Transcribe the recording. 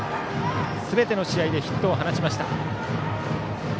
すべての試合でヒットを放ちました。